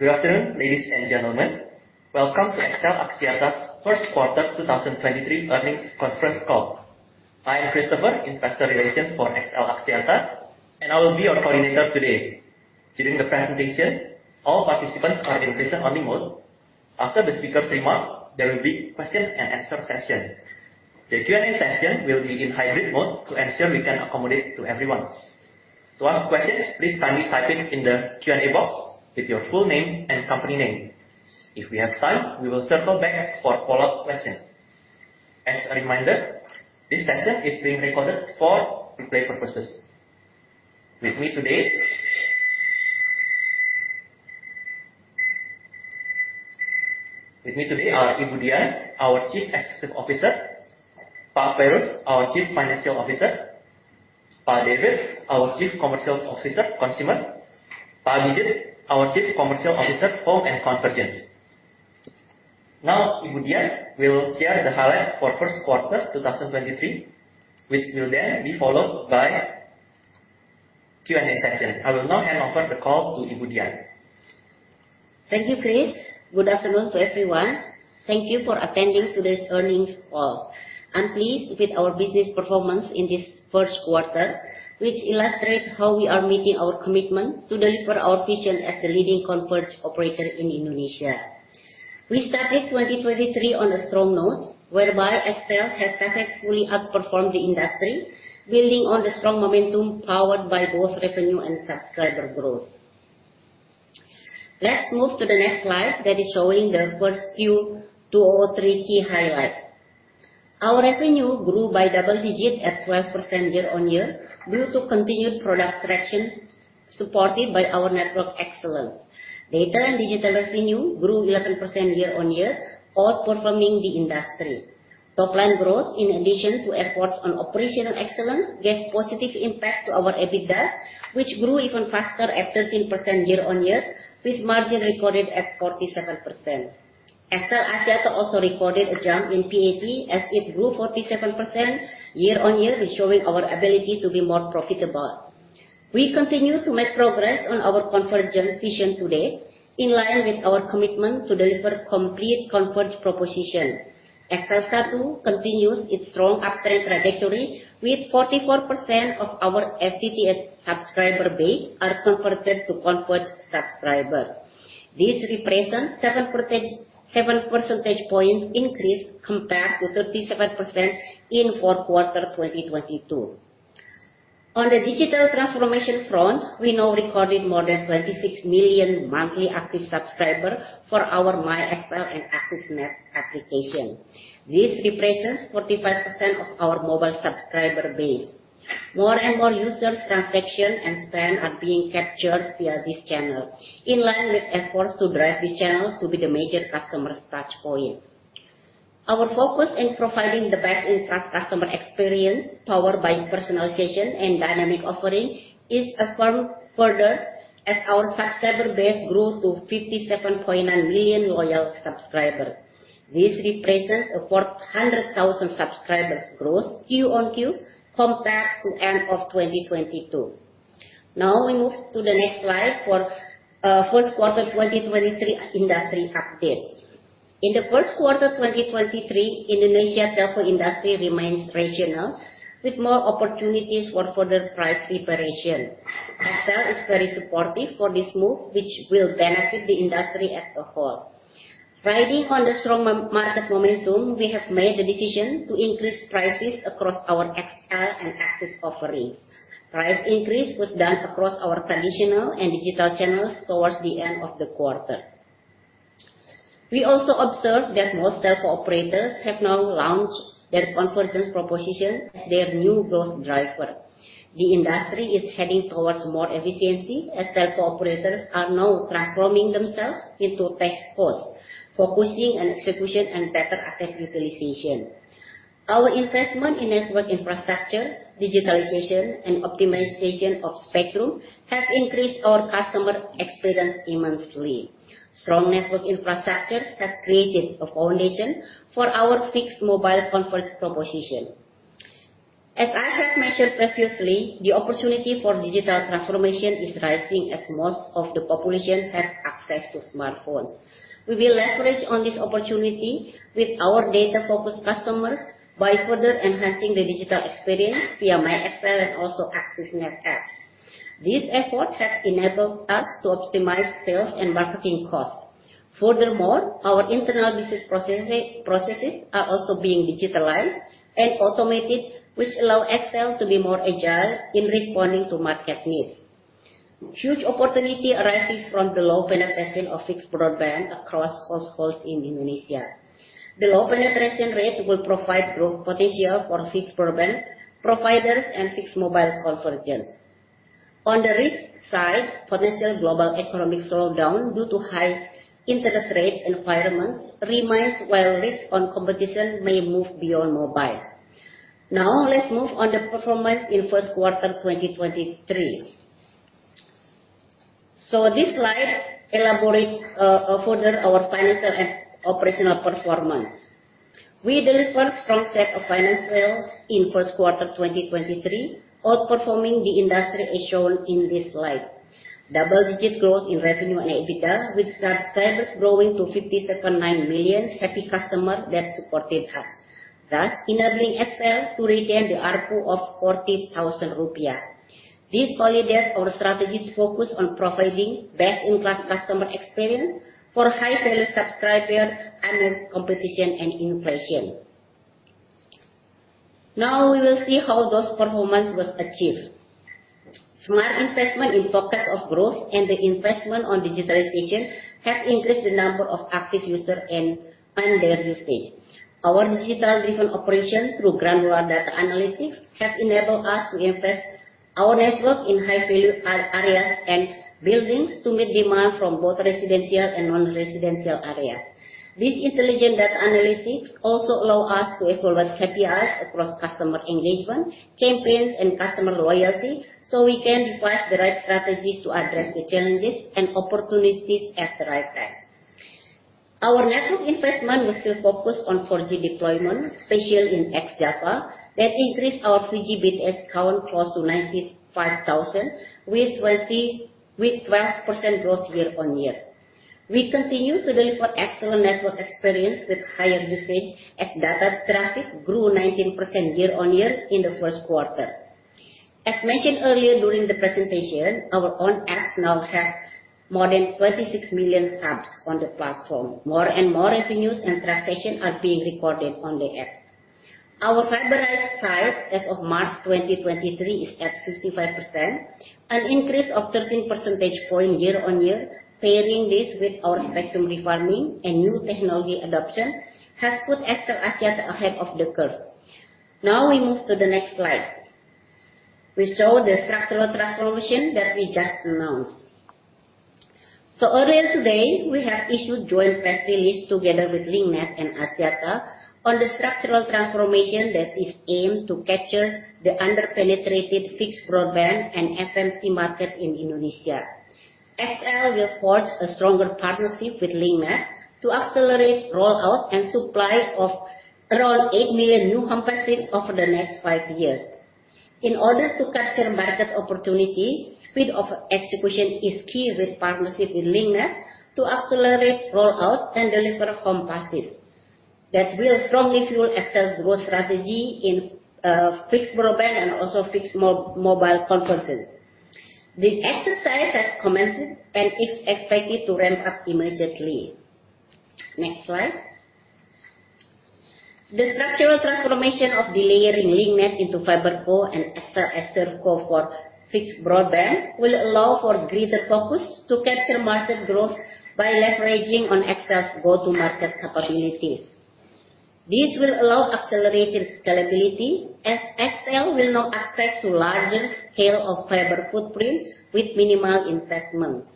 Good afternoon, ladies and gentlemen. Welcome to XL Axiata's first quarter 2023 earnings conference call. I am Christopher, investor relations for XL Axiata, and I will be your coordinator today. During the presentation, all participants are in listen only mode. After the speaker's remarks, there will be question and answer session. The Q&A session will be in hybrid mode to ensure we can accommodate to everyone. To ask questions, please kindly type it in the Q&A box with your full name and company name. If we have time, we will circle back for follow-up question. As a reminder, this session is being recorded for replay purposes. With me today are Ibu Dian, our Chief Executive Officer; Pak Feiruz, our Chief Financial Officer; Pak David, our Chief Commercial Officer, Consumer; Pak Didit, our Chief Commercial Officer, Home and Convergence. Ibu Dian will share the highlights for first quarter 2023, which will then be followed by Q&A session. I will now hand over the call to Ibu Dian. Thank you, Chris. Good afternoon to everyone. Thank you for attending today's earnings call. I'm pleased with our business performance in this first quarter, which illustrates how we are meeting our commitment to deliver our vision as the leading converged operator in Indonesia. We started 2023 on a strong note, whereby XL has successfully outperformed the industry, building on the strong momentum powered by both revenue and subscriber growth. Let's move to the next slide that is showing the first few 2023 key highlights. Our revenue grew by double digits at 12% year-over-year due to continued product traction, supported by our network excellence. Data and digital revenue grew 11% year-over-year, outperforming the industry. Topline growth in addition to efforts on operational excellence gave positive impact to our EBITDA, which grew even faster at 13% year-over-year, with margin recorded at 47%. XL Axiata also recorded a jump in PAT as it grew 47% year-on-year, showing our ability to be more profitable. We continue to make progress on our convergence vision to date, in line with our commitment to deliver complete converged proposition. XL SATU continues its strong uptrend trajectory, with 44% of our FTTH subscriber base are converted to converged subscribers. This represents 7 percentage points increase compared to 37% in fourth quarter 2022. On the digital transformation front, we now recorded more than 26 million monthly active subscribers for our myXL and AXISNet application. This represents 45% of our mobile subscriber base. More and more users' transaction and spend are being captured via this channel, in line with efforts to drive this channel to be the major customer's touch point. Our focus in providing the best-in-class customer experience, powered by personalization and dynamic offering, is affirmed further as our subscriber base grew to 57.9 million loyal subscribers. This represents a 400,000 subscribers growth quarter-on-quarter compared to end of 2022. We move to the next slide for first quarter 2023 industry update. In the first quarter 2023, Indonesia telco industry remains rational, with more opportunities for further price liberation. XL is very supportive for this move, which will benefit the industry as a whole. Riding on the strong market momentum, we have made the decision to increase prices across our XL and AXIS offerings. Price increase was done across our traditional and digital channels towards the end of the quarter. We also observed that most telco operators have now launched their convergence proposition as their new growth driver. The industry is heading towards more efficiency as telco operators are now transforming themselves into tech hubs, focusing on execution and better asset utilization. Our investment in network infrastructure, digitalization, and optimization of spectrum have increased our customer experience immensely. Strong network infrastructure has created a foundation for our fixed mobile converged proposition. As I have mentioned previously, the opportunity for digital transformation is rising as most of the population have access to smartphones. We will leverage on this opportunity with our data-focused customers by further enhancing the digital experience via myXL and also AXISNet apps. This effort has enabled us to optimize sales and marketing costs. Furthermore, our internal business processes are also being digitalized and automated, which allow XL to be more agile in responding to market needs. Huge opportunity arises from the low penetration of fixed broadband across households in Indonesia. The low penetration rate will provide growth potential for fixed broadband providers and fixed mobile convergence. On the risk side, potential global economic slowdown due to high interest rate environments remains, while risk on competition may move beyond mobile. Let's move on the performance in first quarter 2023. This slide elaborate further our financial and operational performance. We delivered strong set of financials in first quarter 2023, outperforming the industry as shown in this slide. Double-digit growth in revenue and EBITDA, with subscribers growing to 57.9 million happy customer that supported us, thus enabling XL to retain the ARPU of 40,000 rupiah. This validates our strategy to focus on providing best-in-class customer experience for high-value subscriber amidst competition and inflation. We will see how those performance was achieved. Smart investment in focus of growth and the investment on digitalization have increased the number of active users and their usage. Our digital driven operation through granular data analytics have enabled us to invest our network in high value areas and buildings to meet demand from both residential and non-residential areas. This intelligent data analytics also allow us to evaluate KPIs across customer engagement, campaigns, and customer loyalty, so we can devise the right strategies to address the challenges and opportunities at the right time. Our network investment was still focused on 4G deployment, especially in East Java, that increased our 3G BTS count close to 95,000 with 12% growth year-over-year. We continue to deliver excellent network experience with higher usage as data traffic grew 19% year-over-year in the first quarter. As mentioned earlier during the presentation, our own apps now have more than 26 million subs on the platform. More and more revenues and transactions are being recorded on the apps. Our fiberized sites as of March 2023 is at 55%, an increase of 13 percentage point year-on-year. Pairing this with our spectrum refarming and new technology adoption has put XL Axiata ahead of the curve. We move to the next slide. We show the structural transformation that we just announced. Earlier today, we have issued joint press release together with Link Net and Axiata on the structural transformation that is aimed to capture the under-penetrated fixed broadband and FMC market in Indonesia. XL will forge a stronger partnership with Link Net to accelerate rollout and supply of around 8 million new homes passed over the next five years. In order to capture market opportunity, speed of execution is key with partnership with LinkNet to accelerate rollout and deliver home passes. That will strongly fuel XL's growth strategy in fixed broadband and also fixed mobile convergence. The exercise has commenced and is expected to ramp up immediately. Next slide. The structural transformation of delayering LinkNet into FiberCo and XL as ServeCo for fixed broadband will allow for greater focus to capture market growth by leveraging on XL's go-to-market capabilities. This will allow accelerated scalability as XL will now access to larger scale of fiber footprint with minimal investments.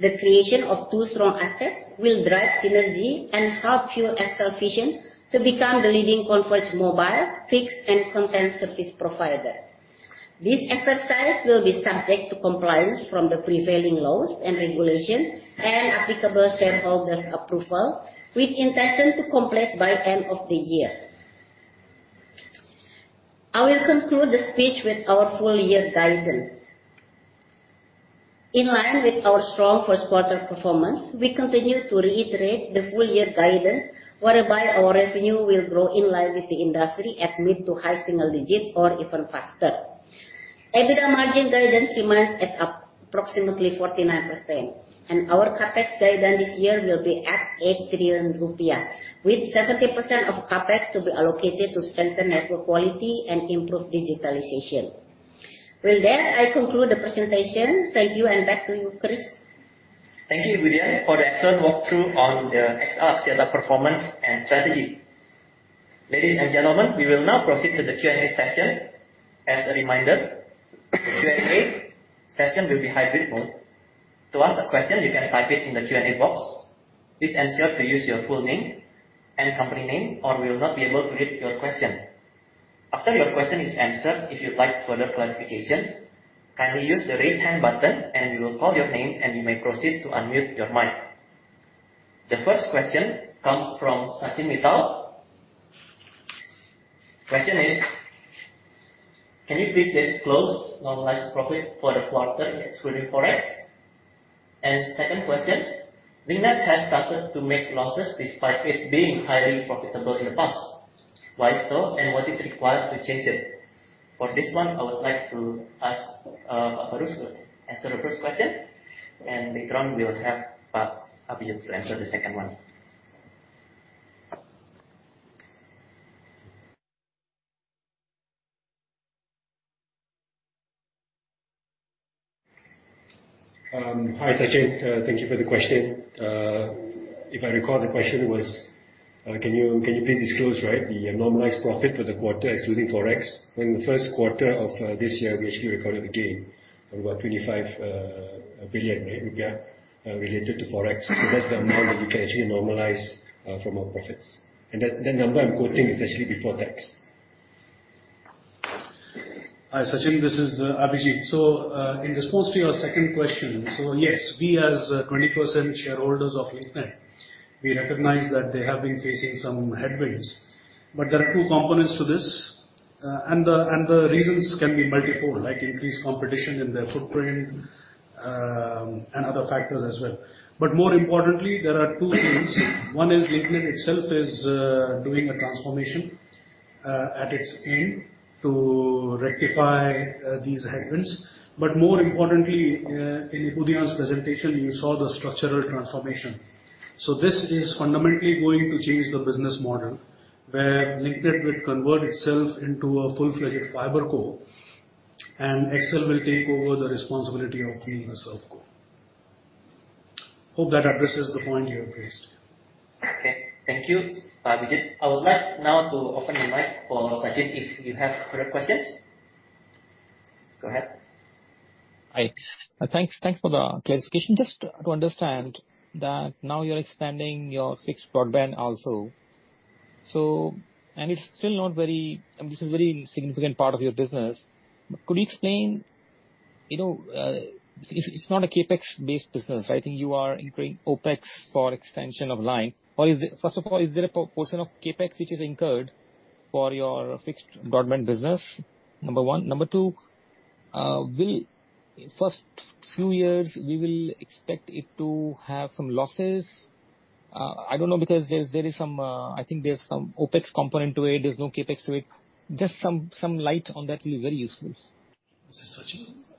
The creation of two strong assets will drive synergy and help fuel XL's vision to become the leading converged mobile, fixed and content service provider. This exercise will be subject to compliance from the prevailing laws and regulations and applicable shareholder's approval, with intention to complete by end of the year. I will conclude the speech with our full year guidance. In line with our strong first quarter performance, we continue to reiterate the full year guidance whereby our revenue will grow in line with the industry at mid to high single digit or even faster. EBITDA margin guidance remains at approximately 49%, and our CapEx guidance this year will be at 8 trillion rupiah, with 70% of CapEx to be allocated to strengthen network quality and improve digitalization. With that, I conclude the presentation. Thank you and back to you, Chris. Thank you, Ibu Dian, for the excellent walk through on the XL Axiata performance and strategy. Ladies and gentlemen, we will now proceed to the Q&A session. As a reminder, the Q&A session will be hybrid mode. To ask a question, you can type it in the Q&A box. Please ensure to use your full name Hi, Chris. Thank you for the question. If I recall, the question was, can you please disclose, right, the normalized profit for the quarter excluding forex. In the first quarter of this year, we actually recorded a gain of about 25 billion rupiah related to forex. That's the amount that you can actually normalize from our profits. That number I'm quoting is actually before tax. Hi, Sachin, this is Abhijit. In response to your second question. Yes, we as 20% shareholders of Link Net, we recognize that they have been facing some headwinds. There are two components to this. The reasons can be multifold, like increased competition in their footprint, and other factors as well. More importantly, there are two things. One is Link Net itself is doing a transformation at its end to rectify these headwinds. More importantly, in Ibu Dian,s presentation, you saw the structural transformation. This is fundamentally going to change the business model, where Link Net will convert itself into a full-fledged FiberCo, and XL will take over the responsibility of being the ServCo. Hope that addresses the point you have raised. Okay. Thank you, Abhijit. I would like now to open the mic for Sachin, if you have further questions. Go ahead. Hi. Thanks for the clarification. Just to understand that now you're expanding your fixed broadband also. I mean, this is very significant part of your business. Could you explain, you know, it's not a CapEx-based business. I think you are incurring OpEx for extension of line. First of all, is there a portion of CapEx which is incurred for your fixed broadband business? Number one. Number two, first few years we will expect it to have some losses. I don't know because there is some, I think there's some OpEx component to it. There's no CapEx to it. Just some light on that will be very useful. This is Sachin.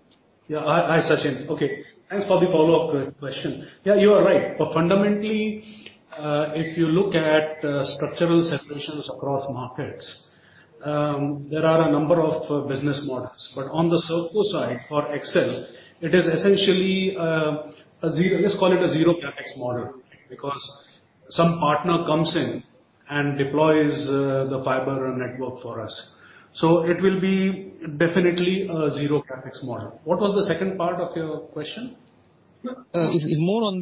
Yeah. Hi, hi, Sachin. Okay, thanks for the follow-up question. Yeah, you are right. Fundamentally, if you look at structural separations across markets, there are a number of business models. On the ServeCo side, for XL, it is essentially a 0, let's call it a 0 CapEx model. Some partner comes in and deploys the fiber network for us. It will be definitely a 0 CapEx model. What was the second part of your question? It's more on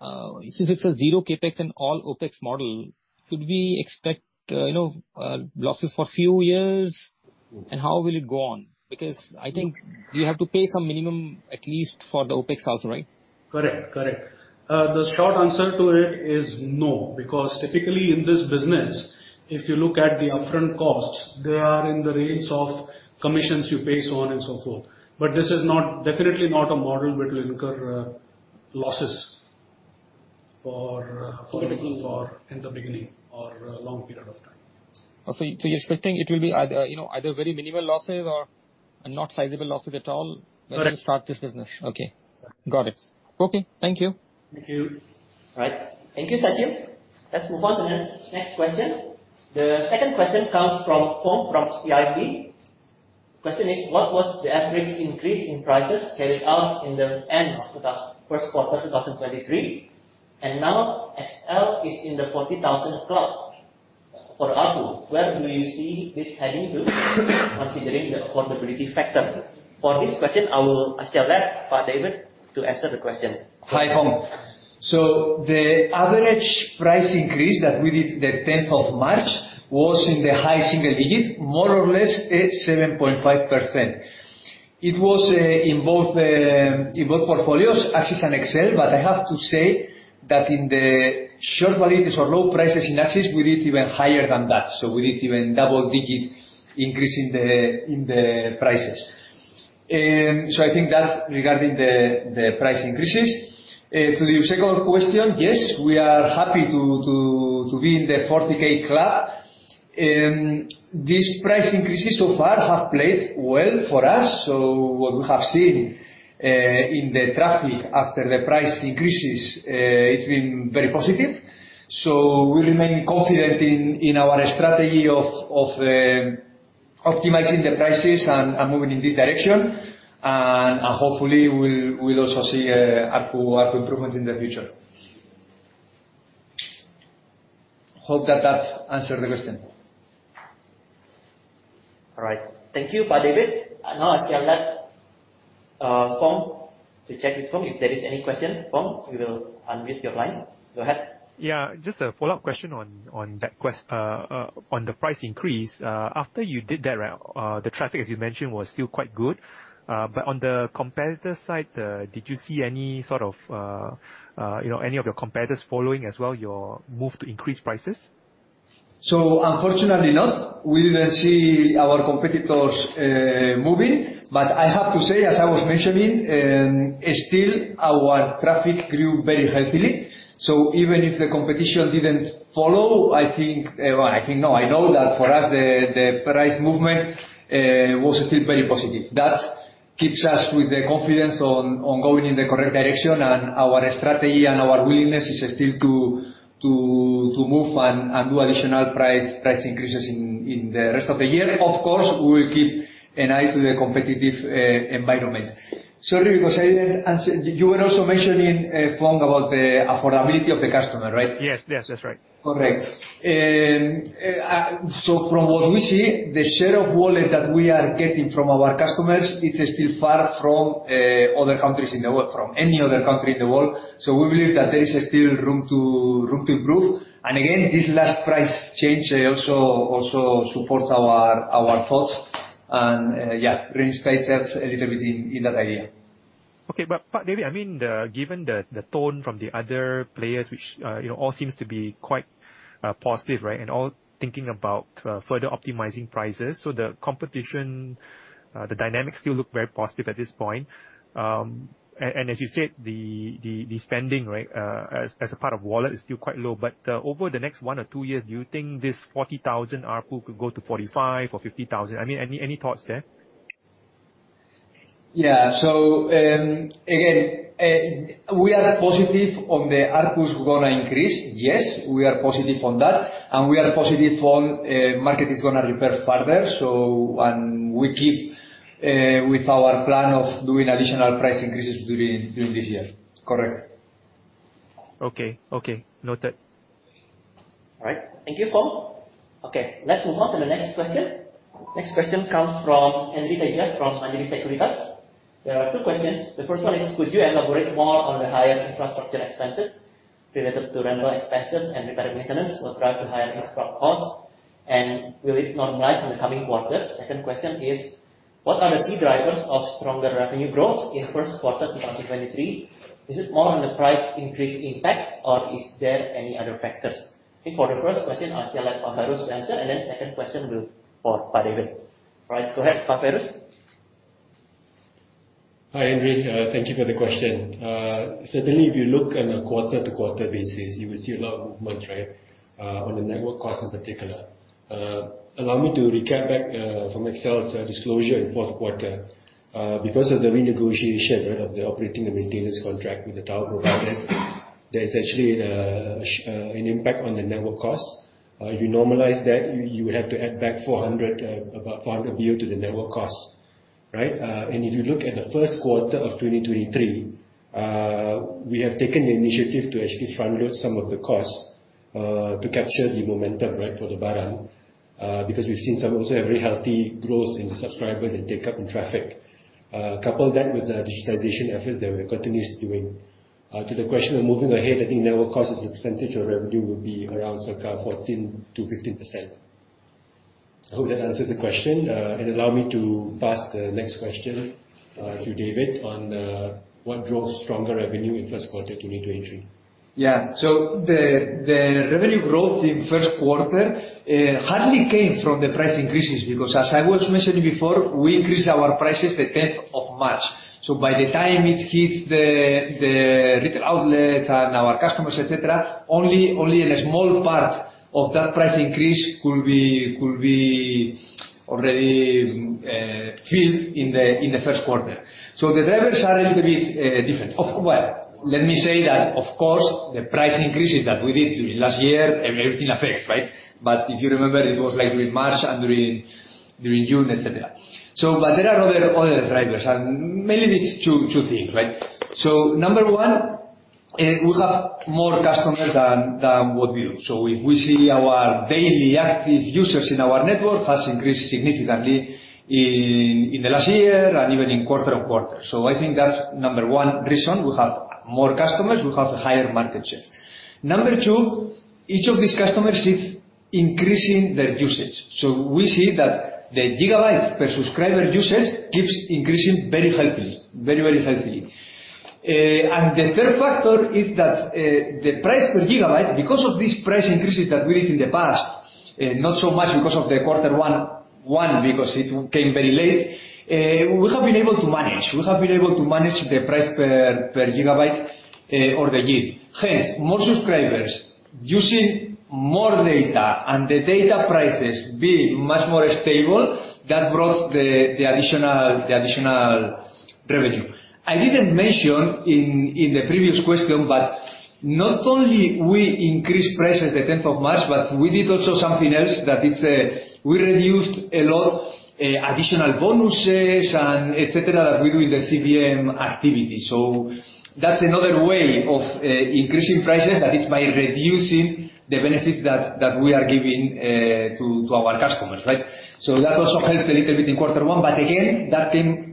the, since it's a 0 CapEx and all OpEx model, could we expect, you know, losses for a few years? How will it go on? Because I think you have to pay some minimum, at least for the OpEx also, right? Correct. Correct. The short answer to it is no. Typically in this business, if you look at the upfront costs, they are in the range of commissions you pay, so on and so forth. This is not, definitely not a model which will incur losses for. Okay. For in the beginning or a long period of time. You're expecting it will be either, you know, either very minimal losses or not sizable losses at all. Correct. When you start this business. Okay. Got it. Okay. Thank you. Thank you. All right. Thank you, Sachin. Let's move on to the next question. The second question comes from Fong from CGS-CIMB. Question is, "What was the average increase in prices carried out in the end of first quarter 2023? Now XL is in the 40,000 club for ARPU. Where do you see this heading to considering the affordability factor?" For this question, I will ask our rep, David, to answer the question. Hi, Fong. The average price increase that we did the 10th of March was in the high single digit, more or less at 7.5%. It was in both portfolios, AXIS and XL. I have to say that in the short validities or low prices in AXIS, we did even higher than that. We did even double-digit increase in the prices. I think that's regarding the price increases. To your second question, yes, we are happy to be in the 40K club. These price increases so far have played well for us. What we have seen in the traffic after the price increases, it's been very positive. We remain confident in our strategy of optimizing the prices and moving in this direction. Hopefully we'll also see ARPU improvements in the future. Hope that answered the question. All right. Thank you, David. Now I shall let Fong... To check with Fong. If there is any question, Fong, we will unmute your line. Go ahead. Yeah. Just a follow-up question on the price increase. After you did that, the traffic, as you mentioned, was still quite good. On the competitor side, did you see any sort of, you know, any of your competitors following as well your move to increase prices? Unfortunately not. We didn't see our competitors moving. I have to say, as I was mentioning, still our traffic grew very healthily. Even if the competition didn't follow, I know that for us, the price movement was still very positive. That keeps us with the confidence on going in the correct direction. Our strategy and our willingness is still to move and do additional price increases in the rest of the year. Of course, we will keep an eye to the competitive environment. Sorry, because I didn't answer. You were also mentioning, Fong, about the affordability of the customer, right? Yes. Yes. That's right. Correct. From what we see, the share of wallet that we are getting from our customers, it's still far from other countries in the world, from any other country in the world. We believe that there is still room to improve. Again, this last price change also supports our thoughts. Yeah, reassures us a little bit in that idea. David, I mean, given the tone from the other players, which, you know, all seems to be quite positive, right? All thinking about further optimizing prices. The competition, the dynamics still look very positive at this point. As you said, the spending right, as a part of wallet is still quite low. Over the next one or two years, do you think this 40,000 ARPU could go to 45,000 or 50,000? I mean, any thoughts there? Yeah. again, we are positive on the ARPU's gonna increase. Yes, we are positive on that, and we are positive on market is gonna repair further. we keep with our plan of doing additional price increases during this year. Correct. Okay. Okay. Noted. All right. Thank you, Fong. Okay, let's move on to the next question. Next question comes from Henry Tedja from Mandiri Sekuritas. There are two questions. The first one is, could you elaborate more on the higher infrastructure expenses related to rental expenses and repair maintenance will drive to higher expert costs? Will it normalize in the coming quarters? Second question is, what are the key drivers of stronger revenue growth in first quarter 2023? Is it more on the price increase impact, or is there any other factors? Okay, for the first question, I'll still let Pak Feiruz answer, and then second question will for Pak David. All right, go ahead, Pak Feiruz. Hi, Henry Tedja. Thank you for the question. Certainly if you look on a quarter-to-quarter basis, you will see a lot of movement, right, on the network costs in particular. Allow me to recap back from XL's disclosure in fourth quarter. Because of the renegotiation, right, of the operating and maintenance contract with the tower providers, there's actually an impact on the network costs. If you normalize that, you would have to add back 400 billion, about 400 billion to the network costs, right? If you look at the first quarter of 2023, we have taken the initiative to actually front load some of the costs, to capture the momentum, right, for the Lebaran. Because we've seen some also have very healthy growth in subscribers and takeup in traffic. Couple that with the digitization efforts that we're continuously doing. To the question of moving ahead, I think network cost as a percentage of revenue will be around circa 14%-15%. I hope that answers the question. Allow me to pass the next question to David on what drove stronger revenue in first quarter 2023. Yeah. The revenue growth in first quarter hardly came from the price increases, because as I was mentioning before, we increased our prices the 10th of March. By the time it hits the retail outlets and our customers, et cetera, only in a small part of that price increase could be already filled in the first quarter. The drivers are a little bit different. Of well, let me say that, of course, the price increases that we did during last year, everything affects, right? But if you remember, it was like during March and during June, et cetera. There are other drivers, and mainly it's two things, right? Number one, we have more customers than what we owned. We see our daily active users in our network has increased significantly in the last year and even in quarter-on-quarter. I think that's number 1 reason we have more customers, we have a higher market share. Number 2, each of these customers is increasing their usage. We see that the gigabytes per subscriber usage keeps increasing very healthy. Very healthy. The third factor is that the price per gigabyte, because of these price increases that we did in the past, not so much because of the quarter 1, because it came very late. We have been able to manage the price per gigabyte, or the gig. Hence, more subscribers using more data and the data prices being much more stable that brought the additional revenue. I didn't mention in the previous question, not only we increased prices the 10th of March, but we did also something else that it's, we reduced a lot, additional bonuses and et cetera, that we do in the CVM activity. That's another way of increasing prices, that it's by reducing the benefits that we are giving to our customers, right? That also helped a little bit in quarter one, but again, that came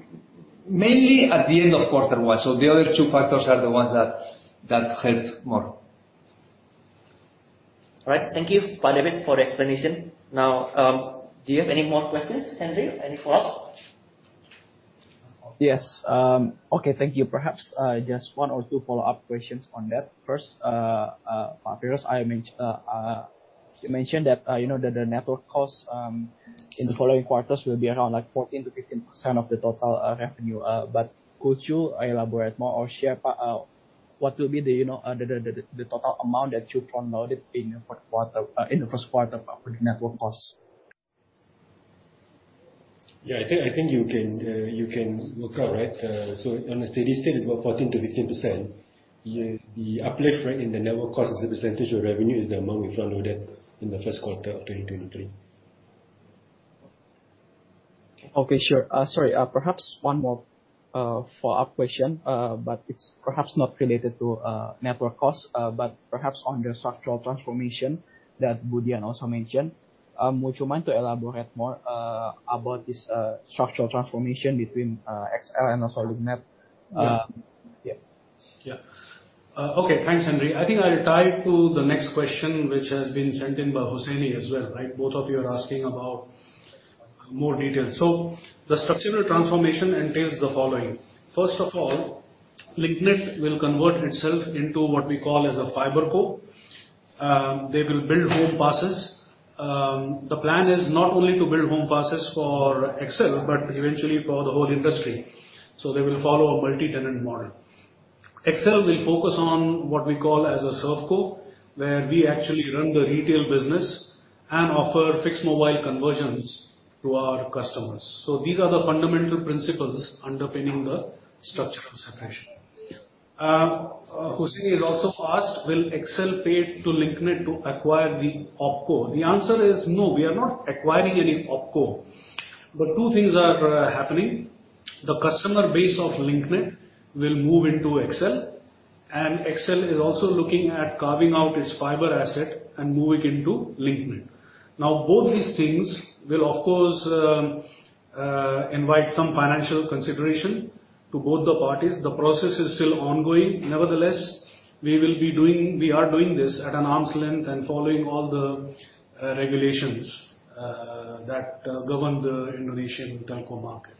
mainly at the end of quarter one. The other two factors are the ones that helped more. All right. Thank you, Pak David for the explanation. Do you have any more questions, Henry? Any follow-up? Yes. Okay. Thank you. Perhaps, just one or two follow-up questions on that. First, Pak Fariz, you mentioned that, you know, the network costs in the following quarters will be around like 14%-15% of the total revenue. Could you elaborate more or share what will be the, you know, the total amount that you front loaded in the fourth quarter, in the first quarter, for the network costs? Yeah, I think you can work out, right? On a steady state is about 14%-15%. The uplift right in the network cost as a % of revenue is the amount we front loaded in the first quarter of 2023. Sure, sorry, perhaps one more follow-up question, but it's perhaps not related to network costs, but perhaps on the structural transformation that Budi also mentioned. Would you mind to elaborate more about this structural transformation between XL and also Link Net? Yeah. Yeah. Okay. Thanks, Henry Tedja. I think I'll tie it to the next question, which has been sent in by Hussein as well, right? Both of you are asking. More details. The structural transformation entails the following. First of all, Linknet will convert itself into what we call as a FibreCo. They will build homes passed. The plan is not only to build homes passed for XL, but eventually for the whole industry, so they will follow a multi-tenant model. XL will focus on what we call as a ServeCo, where we actually run the retail business and offer fixed mobile convergence to our customers. These are the fundamental principles underpinning the structural separation. Hussein has also asked, "Will XL pay to Linknet to acquire the OpCo?" The answer is no. We are not acquiring any OpCo. Two things are happening. The customer base of Linknet will move into XL, and XL is also looking at carving out its fiber asset and move it into Linknet. Both these things will, of course, invite some financial consideration to both the parties. The process is still ongoing. Nevertheless, we are doing this at an arm's length and following all the regulations that govern the Indonesian telco market,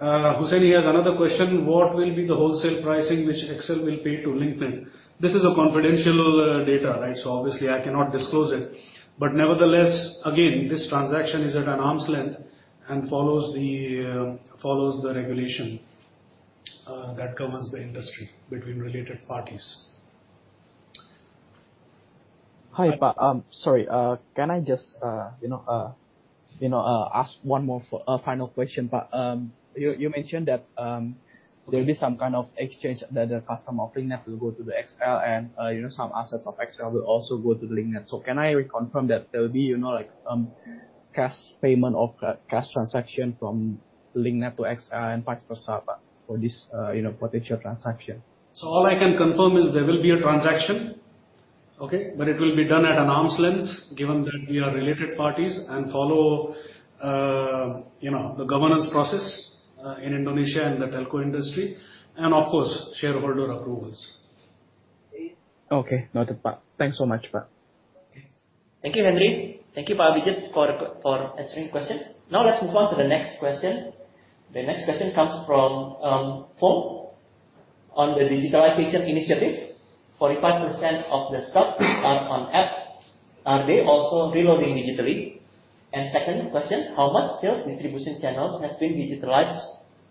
right? Hussein, he has another question. "What will be the wholesale pricing which XL will pay to Link Net?" This is a confidential data, right? Obviously I cannot disclose it. Nevertheless, again, this transaction is at an arm's length and follows the follows the regulation that governs the industry between related parties. Hi, Pak. Sorry, can I just, you know, you know, ask one more final question, Pak? You mentioned that there'll be some kind of exchange that the customer of Link Net will go to the XL and, you know, some assets of XL will also go to the Link Net. Can I reconfirm that there will be, you know, like, cash payment or cash transaction from Link Net to XL and vice versa, Pak, for this, you know, potential transaction? All I can confirm is there will be a transaction, okay? It will be done at an arm's length, given that we are related parties and follow, you know, the governance process, in Indonesia and the telco industry and of course, shareholder approvals. Okay. Noted, Pak. Thanks so much, Pak. Thank you, Henry. Thank you, Pak Bijit, for answering the question. Now let's move on to the next question. The next question comes from Fong. On the digitalization initiative, 45% of the subs are on app, are they also reloading digitally? Second question, how much sales distribution channels has been digitalized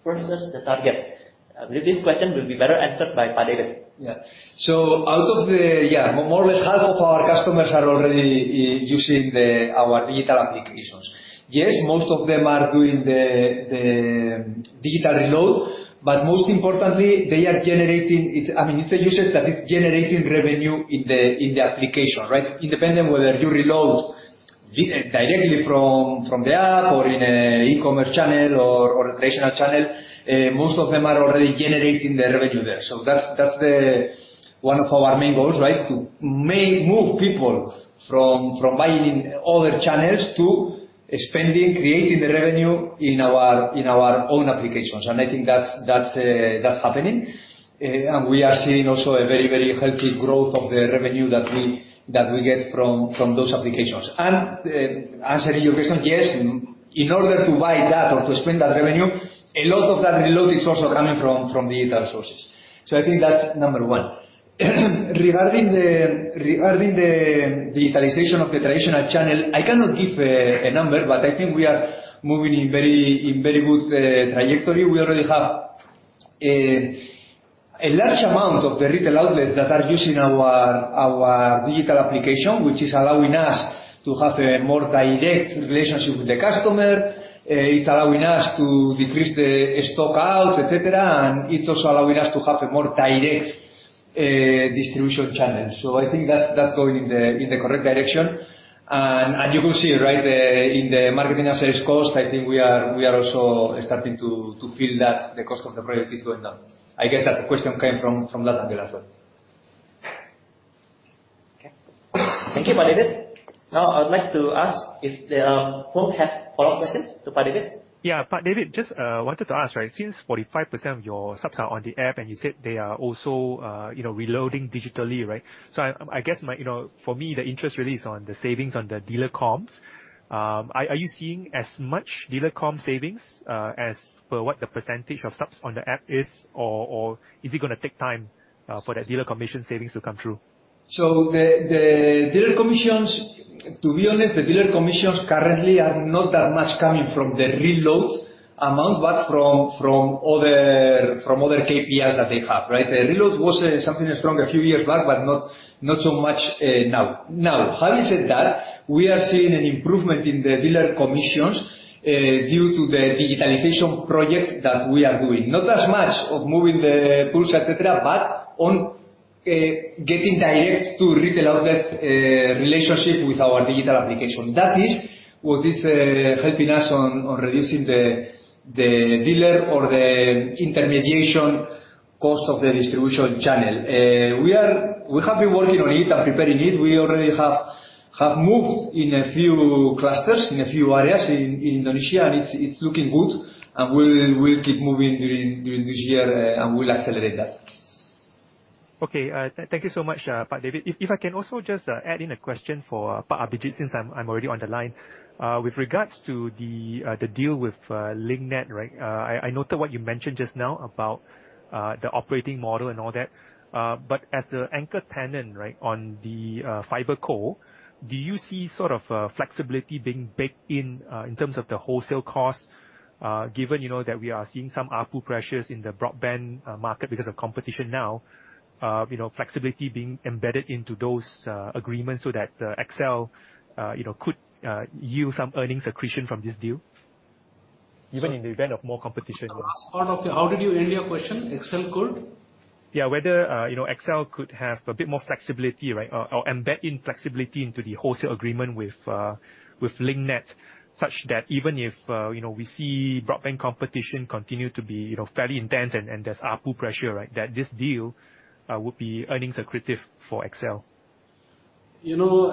versus the target? I believe this question will be better answered by Pak David. Out of the more or less half of our customers are already using the, our digital applications. Yes, most of them are doing the digital reload. Most importantly, they are generating. It's, I mean, it's a usage that is generating revenue in the application, right? Independent whether you reload directly from the app or in a e-commerce channel or a traditional channel, most of them are already generating the revenue there. That's the, one of our main goals, right? To move people from buying in other channels to spending, creating the revenue in our own applications, and I think that's happening. We are seeing also a very healthy growth of the revenue that we get from those applications. Answering your question, yes, in order to buy that or to spend that revenue, a lot of that reload is also coming from digital sources. I think that's number one. Regarding the digitalization of the traditional channel, I cannot give a number, but I think we are moving in very good trajectory. We already have a large amount of the retail outlets that are using our digital application, which is allowing us to have a more direct relationship with the customer. It's allowing us to decrease the stock outs, et cetera, and it's also allowing us to have a more direct distribution channel. I think that's going in the correct direction. You will see it, right? In the marketing and sales cost, I think we are also starting to feel that the cost of the product is going down. I guess that question came from that angle as well. Okay. Thank you, Pak David. Now, I would like to ask if there, Fong have follow-up questions to Pak David. Yeah. Pak David, just wanted to ask, right? Since 45% of your subs are on the app, and you said they are also, you know, reloading digitally, right? I guess my, you know, for me, the interest really is on the savings on the dealer comms. Are you seeing as much dealer comm savings as per what the percentage of subs on the app is, or is it gonna take time for that dealer commission savings to come through? The dealer commissions, to be honest, the dealer commissions currently are not that much coming from the reload amount, but from other, from other KPIs that they have, right? The reloads was something strong a few years back, but not so much now. Having said that, we are seeing an improvement in the dealer commissions due to the digitalization projects that we are doing. Not as much of moving the pools, et cetera, but on getting direct to retail outlet relationship with our digital application. That is what is helping us on reducing the dealer or the intermediation cost of the distribution channel. We are, we have been working on it and preparing it. We already have moved in a few clusters, in a few areas in Indonesia, and it's looking good. We'll keep moving during this year, and we'll accelerate that. Okay. Thank you so much, Pak David. If I can also just add in a question for Pak Abhijit since I'm already on the line. With regards to the deal with LinkNet, right? I noted what you mentioned just now about the operating model and all that. But as the anchor tenant, right, on the FibreCo, do you see sort of flexibility being baked in in terms of the wholesale cost, given, you know, that we are seeing some ARPU pressures in the broadband market because of competition now, you know, flexibility being embedded into those agreements so that XL could yield some earnings accretion from this deal? Even in the event of more competition. The last part of How did you end your question? XL could? Yeah. Whether, you know, XL could have a bit more flexibility, right? Or embed in flexibility into the wholesale agreement with Link Net, such that even if, you know, we see broadband competition continue to be, you know, fairly intense and there's ARPU pressure, right, that this deal would be earnings accretive for XL. You know,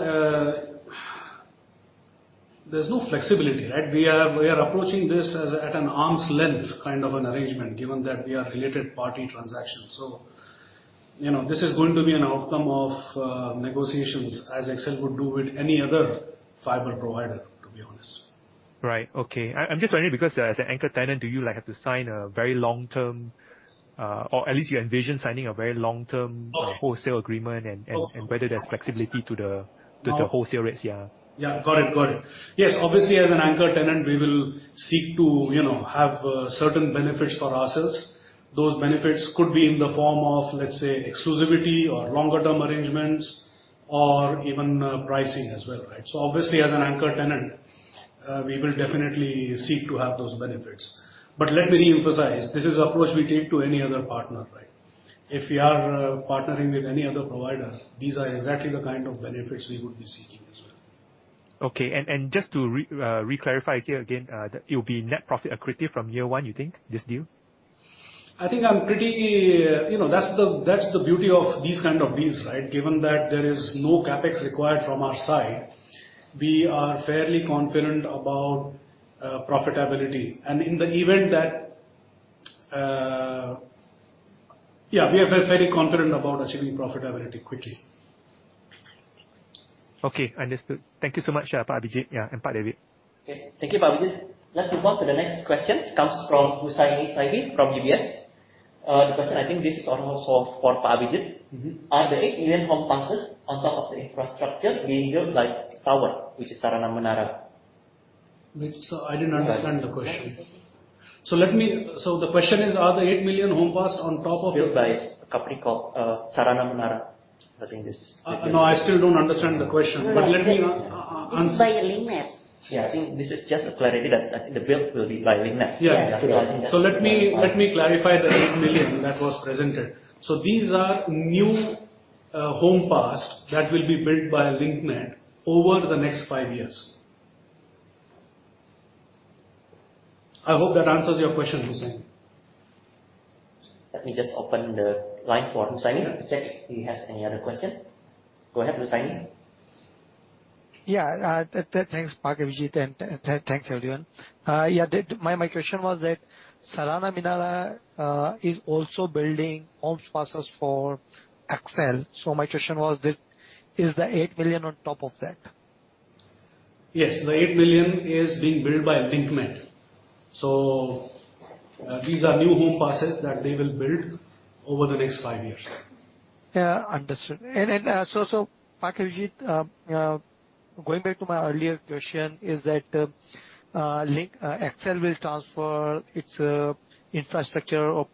there's no flexibility, right? We are approaching this as at an arm's length kind of an arrangement, given that we are related party transactions. You know, this is going to be an outcome of negotiations as XL would do with any other fiber provider, to be honest. Right. Okay. I'm just wondering because as an anchor tenant, do you like have to sign a very long-term, or at least you envision signing a very long-term? Oh. wholesale agreement Oh. Whether there's flexibility to the wholesale rates. Yeah. Yeah. Got it. Got it. Yes. Obviously, as an anchor tenant, we will seek to, you know, have certain benefits for ourselves. Those benefits could be in the form of, let's say, exclusivity or longer term arrangements or even pricing as well, right? Obviously as an anchor tenant, we will definitely seek to have those benefits. Let me re-emphasize, this is approach we take to any other partner, right? If we are partnering with any other provider, these are exactly the kind of benefits we would be seeking as well. Okay. Just to reclarify here again, it will be net profit accretive from year one, you think, this deal? I think I'm pretty, you know, that's the beauty of these kind of deals, right? Given that there is no CapEx required from our side, we are fairly confident about profitability. Yeah, we are very confident about achieving profitability quickly. Okay. Understood. Thank you so much, Pak Abhijit, yeah, and Pak David. Okay. Thank you, Pak Abhijit. Let's move on to the next question. Comes from Hussein Saidi from UBS. The question, I think this is also for Pak Abhijit. Mm-hmm. Are the 8 million homes passed on top of the infrastructure being built by the tower, which is Sarana Menara? I didn't understand the question. Okay. The question is, are the 8 million homes passed on top of? Built by a company called, Sarana Menara. I think. No, I still don't understand the question. No, no. let me This is by Link Net. Yeah. I think this is just a clarity that the build will be by LinkNet. Yeah. Yeah. Let me clarify the 8 million that was presented. These are new home passed that will be built by LinkNet over the next 5 years. I hope that answers your question, Hussein. Let me just open the line for Hussein to check if he has any other question. Go ahead, Hussein. Thanks, Pak Abhijit, and thanks everyone. My question was that Sarana Menara is also building homes passed for XL. So my question was that, is the 8 million on top of that? Yes. The 8 million is being built by LinkNet. These are new home passes that they will build over the next 5 years. Yeah. Understood. Pak Abhijit, going back to my earlier question is that XL will transfer its infrastructure or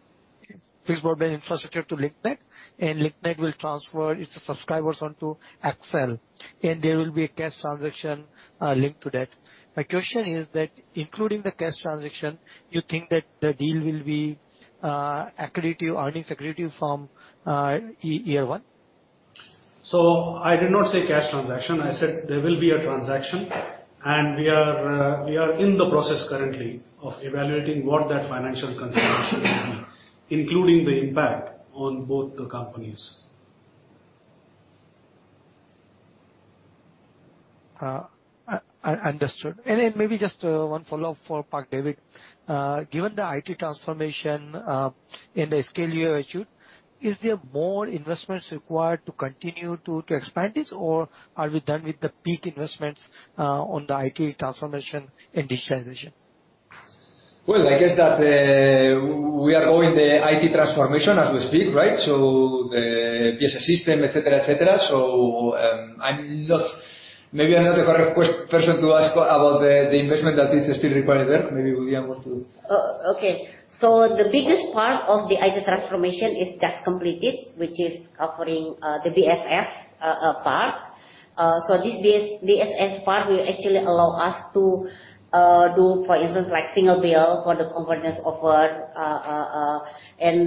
fixed broadband infrastructure to LinkNet, and LinkNet will transfer its subscribers onto XL, and there will be a cash transaction linked to that. My question is that including the cash transaction, you think that the deal will be accretive, earnings accretive from year one? I did not say cash transaction. I said there will be a transaction. We are in the process currently of evaluating what that financial consideration is including the impact on both the companies. Understood. Then maybe just one follow-up for Pak David. Given the IT transformation and the scale you issued, is there more investments required to continue to expand this? Or are we done with the peak investments on the IT transformation and digitalization? I guess that we are all in the IT transformation as we speak, right? The BSS system, et cetera, et cetera. Maybe I'm not the correct person to ask about the investment that is still required there. Maybe William. Okay. The biggest part of the IT transformation is just completed, which is covering the BSS part. This BSS part will actually allow us to do for instance, like single bill for the convergence offer.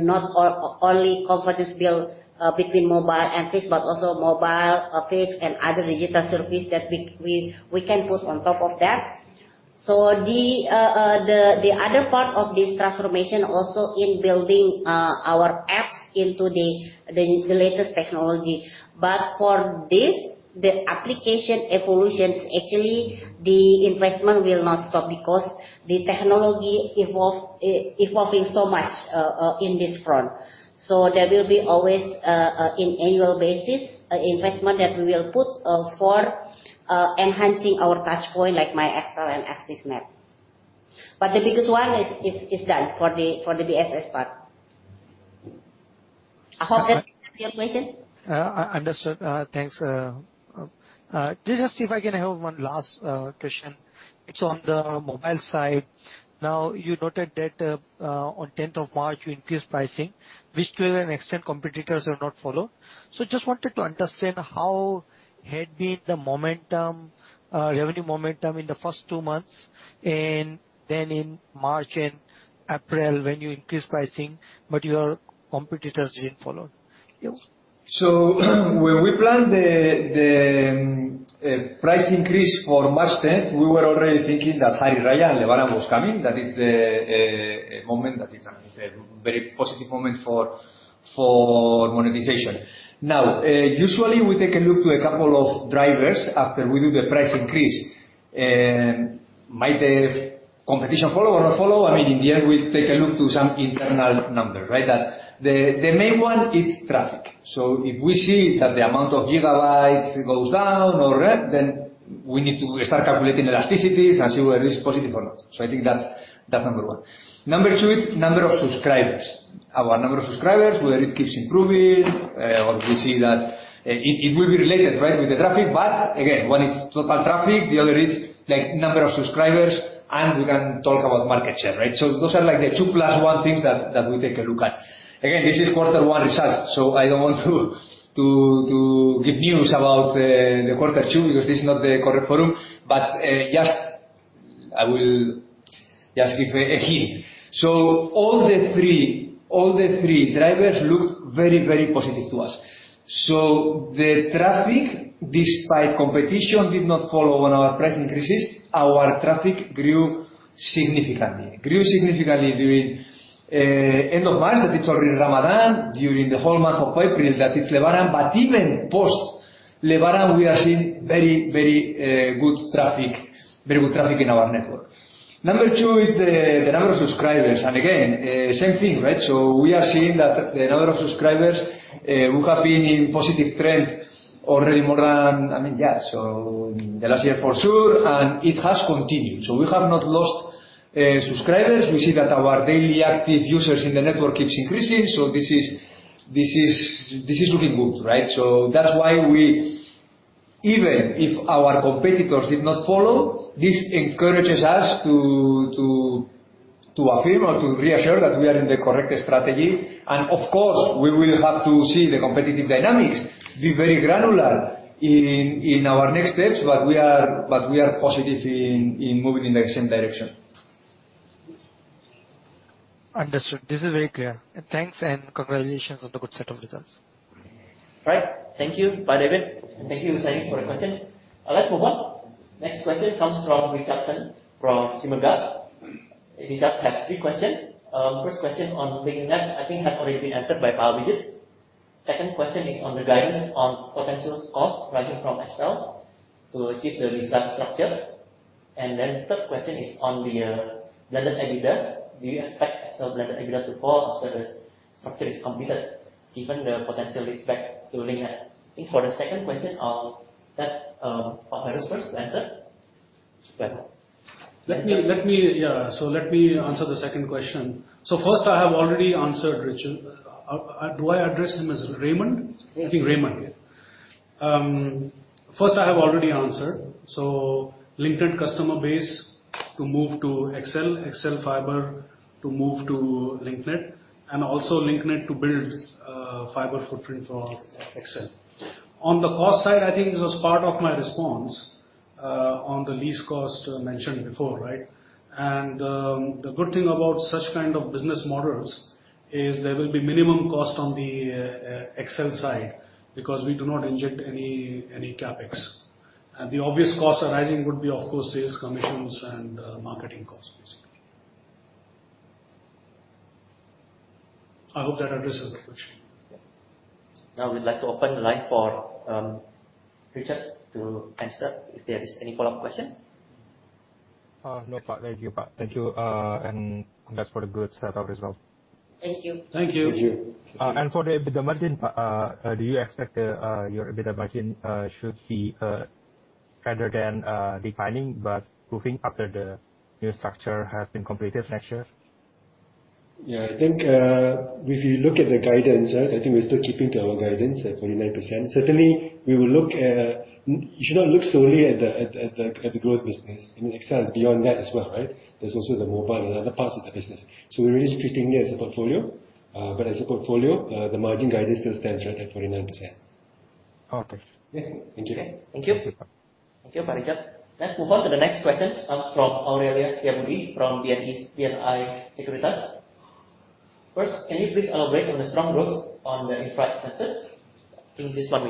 Not only convergence bill between mobile and fixed, but also mobile, fixed and other digital service that we can put on top of that. The other part of this transformation also in building our apps into the latest technology. For this, the application evolutions, actually the investment will not stop because the technology evolving so much in this front. There will be always in annual basis investment that we will put for enhancing our touch point, like MyXL and AXISNet. The biggest one is done for the BSS part. I hope that answers your question. understood. thanks. Just see if I can have one last question. It's on the mobile side. You noted that on 10th of March you increased pricing, which to an extent competitors have not followed. Just wanted to understand how had been the momentum, revenue momentum in the first 2 months, and then in March and April when you increased pricing but your competitors didn't follow. Yeah. When we planned the price increase for March 10th, we were already thinking that Hari Raya Lebaran was coming. That is the moment that is a very positive moment for monetization. Now, usually we take a look to a couple of drivers after we do the price increase. Might the competition follow or not follow? I mean, in the end, we take a look to some internal numbers, right? The main one is traffic. If we see that the amount of gigabytes goes down or that, then we need to start calculating elasticities and see whether it's positive or not. I think that's number one. Number two is number of subscribers. Our number of subscribers, whether it keeps improving, or we see that It will be related, right, with the traffic. Again, one is total traffic, the other is like number of subscribers, and we can talk about market share, right? Those are like the two plus one things that we take a look at. Again, this is quarter one results, so I don't want to give news about the quarter two because this is not the correct forum. Just I will just give a hint. All the three drivers look very, very positive to us. The traffic, despite competition did not follow on our price increases, our traffic grew significantly. Grew significantly during end of March that it's already Ramadan, during the whole month of April that it's Lebaran. Even post Lebaran we are seeing very, very good traffic, very good traffic in our network. Number two is the number of subscribers. Again, same thing, right? We are seeing that the number of subscribers who have been in positive trend already more than, I mean, yeah, in the last year for sure, and it has continued. We have not lost subscribers. We see that our daily active users in the network keeps increasing, this is looking good, right? That's why we... Even if our competitors did not follow, this encourages us to affirm or to reassure that we are in the correct strategy. Of course, we will have to see the competitive dynamics be very granular in our next steps. We are positive in moving in the same direction. Understood. This is very clear. Thanks, and congratulations on the good set of results. Right. Thank you, Pak David. Thank you, Syed, for your question. Let's move on. Next question comes from Richard Suherman from Sinarmas Sekuritas. Richard has three question. First question on Link Net I think has already been answered by Pak Wijey. Second question is on the guidance on potential costs rising from XL to achieve the desired structure. Third question is on the blended EBITDA. Do you expect XL blended EBITDA to fall after the structure is completed, given the potential leaseback to Link Net? I think for the second question, I'll let Pak Heru first answer. Pak Heru. Let me answer the second question. First, I have already answered, Richard. Do I address him as Richard? Yeah. I think Richard, yeah. First, I have already answered. Linknet customer base to move to XL Fiber to move to Linknet, and also Linknet to build a fiber footprint for XL. On the cost side, I think this was part of my response on the lease cost mentioned before, right? The good thing about such kind of business models is there will be minimum cost on the XL side because we do not inject any CapEx. The obvious costs arising would be, of course, sales commissions and marketing costs, basically. I hope that addresses the question. Yeah. Now we'd like to open the line for Richard to answer if there is any follow-up question. no, Pak. Thank you, Pak. Thank you, and congrats for the good set of result. Thank you. Thank you. Thank you. For the EBITDA margin, Pak, do you expect your EBITDA margin should be rather than declining but improving after the new structure has been completed next year? Yeah. I think, if you look at the guidance, right? I think we're still keeping to our guidance at 49%. Certainly we will look at. You should not look solely at the growth business. I mean, XL is beyond that as well, right? There's also the mobile and other parts of the business. We're really treating it as a portfolio. As a portfolio, the margin guidance still stands right at 49%. Okay. Yeah. Thank you. Okay. Thank you. Thank you, Pak. Thank you, Pak Richard. Let's move on to the next question comes from Aurelius Barus from BNI Sekuritas. First, can you please elaborate on the strong growth on the infra expenses? I think this one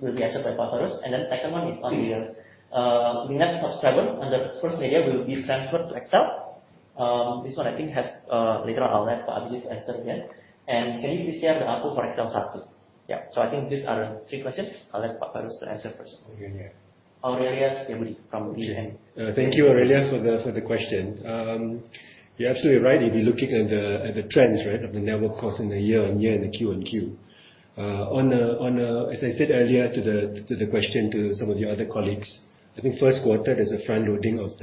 will be answered by Fariz. Second one is on the LinkNet subscriber under First Media will be transferred to XL. This one I think has. Later on, I'll let Abhijit answer again. Can you please share the ARPU for XL Satu? Yeah. I think these are the three questions. I'll let Fariz to answer first. Aurelia. Aurelia Barus from BN. Thank you, Aurelia, for the question. You're absolutely right. If you're looking at the trends, right? Of the network cost in the year-on-year and the Q-on-Q. As I said earlier to the question to some of your other colleagues, I think first quarter there's a front-loading of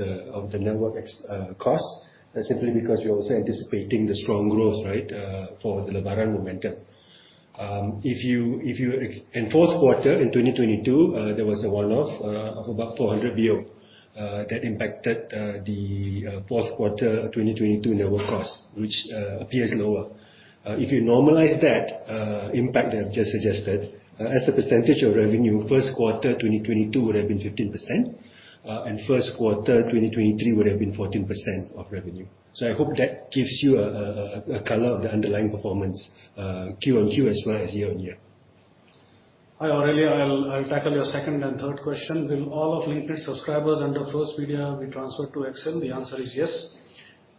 the network OpEx cost. That's simply because we are also anticipating the strong growth, right? For the Lebaran momentum. In fourth quarter, in 2022, there was a one-off of about 400 billion that impacted the fourth quarter of 2022 network cost, which appears lower. If you normalize that impact that I've just suggested, as a percentage of revenue, first quarter 2022 would have been 15%, and first quarter 2023 would have been 14% of revenue. I hope that gives you a color of the underlying performance, Q-on-Q as well as year-on-year. Hi, Aurelia. I'll tackle your second and third question. Will all of Link Net subscribers under First Media be transferred to XL? The answer is yes,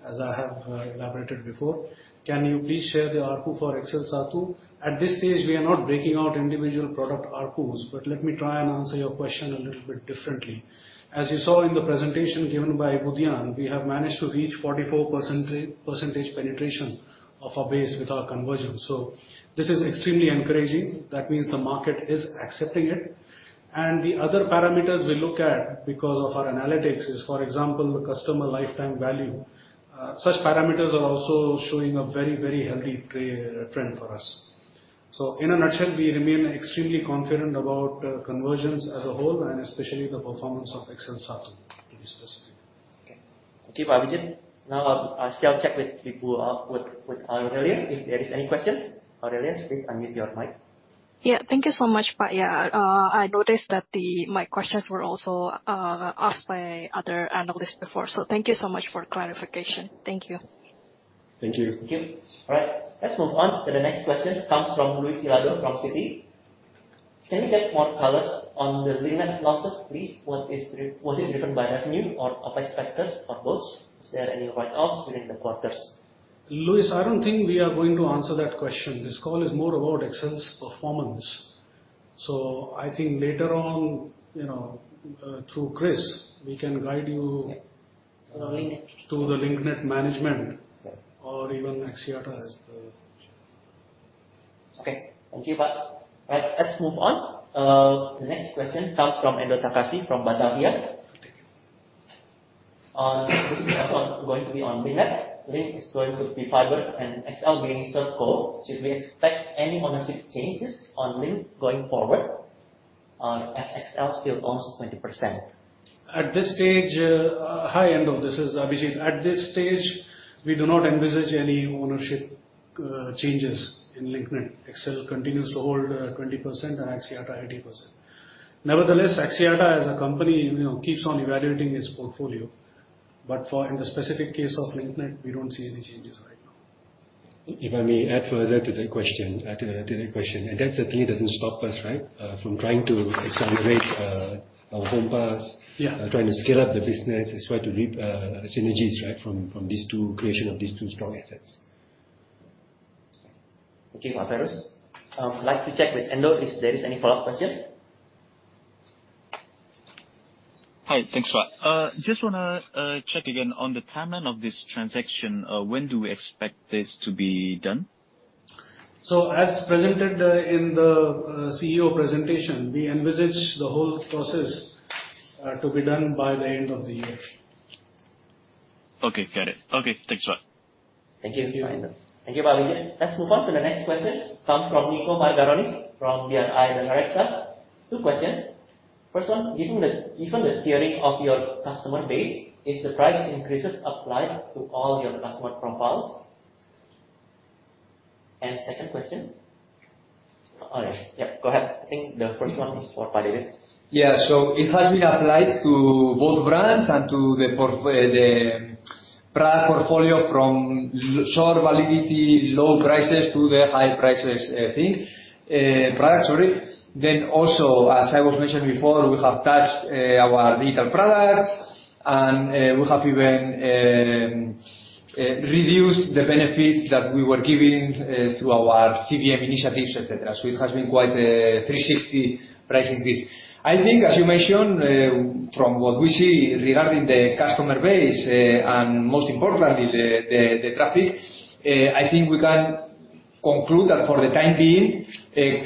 as I have elaborated before. Can you please share the ARPU for XL SATU? At this stage, we are not breaking out individual product ARPUs. Let me try and answer your question a little bit differently. As you saw in the presentation given by Budi, we have managed to reach 44% penetration of our base with our conversion. This is extremely encouraging. That means the market is accepting it. The other parameters we look at because of our analytics is, for example, the customer lifetime value. Such parameters are also showing a very healthy trend for us. In a nutshell, we remain extremely confident about, conversions as a whole, and especially the performance of XL SATU, to be specific. Okay. Thank you, Abhijit. I still check with people, with Aurelia if there is any questions. Aurelia, please unmute your mic. Yeah. Thank you so much, Pak. Yeah. I noticed that my questions were also asked by other analysts before, so thank you so much for clarification. Thank you. Thank you. Thank you. All right. Let's move on to the next question, comes from Luis Hilado from Citi. Can we get more colors on the Link Net losses, please? Was it driven by revenue or OpEx factors or both? Is there any write-offs within the quarters? Luis, I don't think we are going to answer that question. This call is more about XL's performance. I think later on, you know, through Chris, we can guide you. Yeah. To the Link Net.... to the Link Net management. Yeah. even Axiata as the... Okay. Thank you, Pak. All right, let's move on. The next question comes from Endo T. Takahashi from BGA. I'll take it. this is also going to be on LinkNet. Link is going to be fiber and XL being the core. Should we expect any ownership changes on Link going forward? as XL still owns 20%. At this stage, Hi, Endo. This is Abhijit. At this stage, we do not envisage any ownership changes in Link Net. XL continues to hold 20% and Axiata 80%. Nevertheless, Axiata as a company, you know, keeps on evaluating its portfolio. In the specific case of Link Net, we don't see any changes right now. If I may add further to that question, add to that question. That certainly doesn't stop us, right, from trying to accelerate our home pass. Yeah. Trying to scale up the business as well to reap synergies, right? From Creation of these two strong assets. Okay. Thank you, Fariz. I'd like to check with Endo if there is any follow-up question. Hi. Thanks, Pak. Just want to check again on the timeline of this transaction. When do we expect this to be done? As presented, in the CEO presentation, we envisage the whole process to be done by the end of the year. Okay. Got it. Okay. Thanks a lot. Thank you, Endo. Thank you, Abhijit. Let's move on to the next question. Come from Niko Margaronis from BRI Danareksa. 2 question. First one, given the tiering of your customer base, is the price increases applied to all your customer profiles? Second question. Oh, yeah. Yep, go ahead. I think the first one is for David. Yeah. It has been applied to both brands and to the brand portfolio from short validity, low prices to the high prices thing. Products, sorry. Also, as I was mentioned before, we have touched our digital products and we have even reduced the benefits that we were giving through our CVM initiatives, et cetera. It has been quite a 360 pricing piece. I think as you mentioned, from what we see regarding the customer base, and most importantly the traffic, I think we can conclude that for the time being,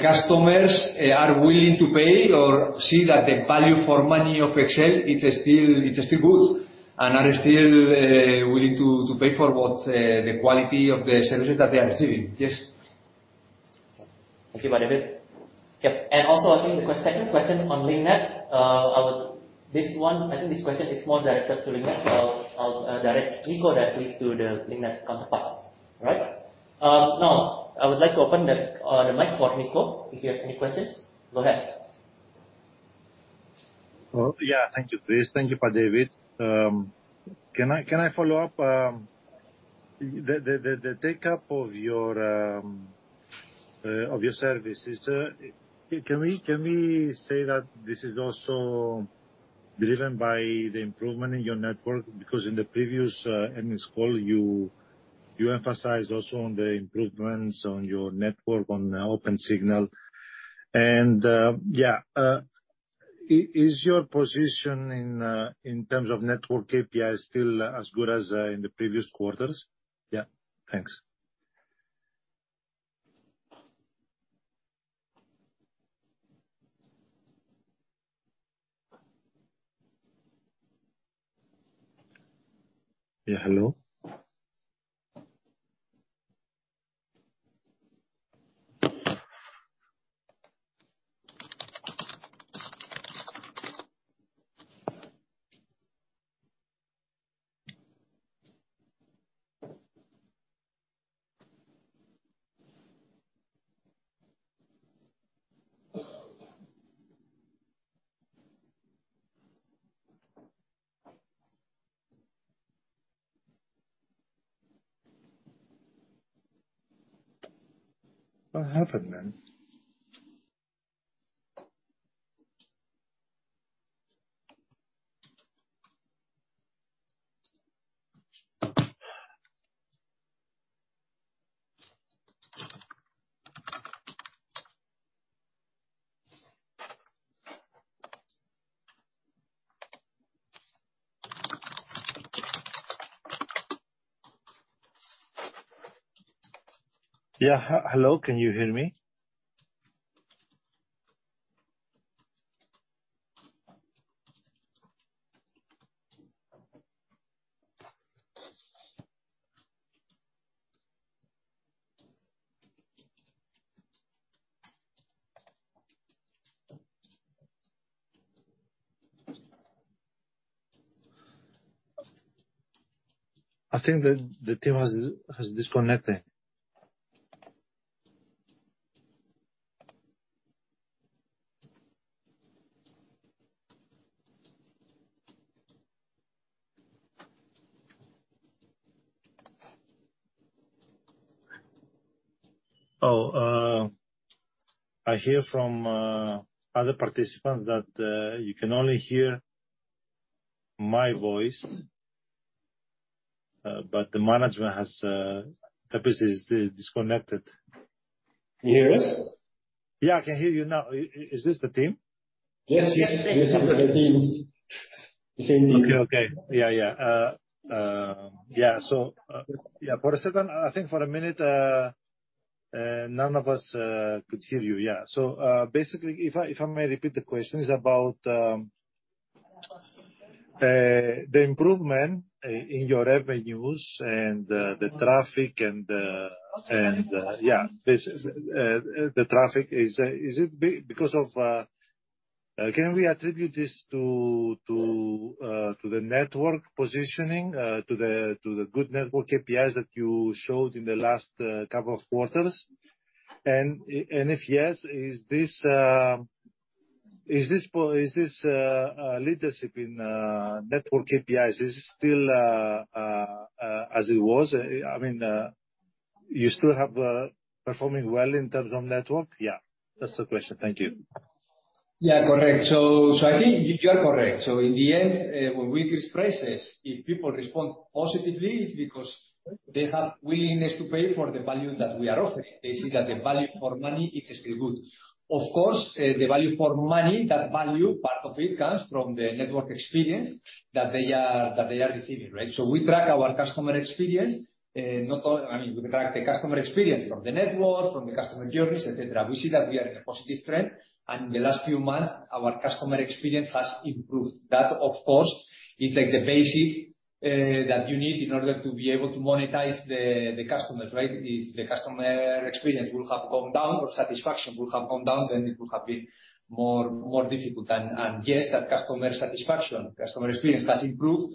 customers are willing to pay or see that the value for money of XL is still good. Are still willing to pay for what the quality of the services that they are receiving. Yes. Thank you, David. Yep. I think the second question on Link Net, This one, I think this question is more directed to Link Net, so I'll direct Nico directly to the Link Net counterpart. All right? Now I would like to open the mic for Nico. If you have any questions, go ahead. Yeah. Thank you, Chris. Thank you, David. Can I follow up? The take-up of your services. Can we say that this is also driven by the improvement in your network? In the previous earnings call, you emphasized also on the improvements on your network, on the Opensignal. Yeah. Is your position in terms of network API still as good as in the previous quarters? Yeah. Thanks. Yeah. Hello? What happened, man? Yeah. Hello? Can you hear me? I think the team has disconnected. I hear from other participants that you can only hear my voice. The management has Tapas disconnected. Can you hear us? Yeah. I can hear you now. Is this the team? Yes. Yes. This is the team. Okay. Yeah. Basically, if I may repeat the question, is about the improvement in your revenues and the traffic and, yeah, this traffic is because of, can we attribute this to the network positioning, to the good network APIs that you showed in the last couple of quarters? If yes, is this, is this leadership in network APIs, is this still as it was? I mean, you still have performing well in terms of network? That's the question. Thank you. Yeah, correct. I think you are correct. In the end, when we increase prices, if people respond positively, it's because they have willingness to pay for the value that we are offering. They see that the value for money is still good. Of course, the value for money, that value, part of it comes from the network experience that they are receiving, right? We track our customer experience, I mean, we track the customer experience from the network, from the customer journeys, et cetera. We see that we are in a positive trend. In the last few months, our customer experience has improved. That of course is like the basic that you need in order to be able to monetize the customers, right? If the customer experience would have gone down or satisfaction would have gone down, then it would have been more difficult. Yes, that customer satisfaction, customer experience has improved,